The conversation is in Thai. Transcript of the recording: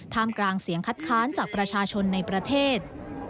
กลางเสียงคัดค้านจากประชาชนในประเทศ